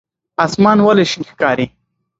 اسمان ولې شین ښکاري؟